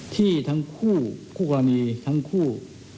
ที่ทั้งคู่คู่กรณีทั้งคู่